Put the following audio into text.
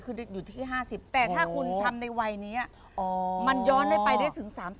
คืออยู่ที่๕๐แต่ถ้าคุณทำในวัยนี้มันย้อนได้ไปได้ถึง๓๐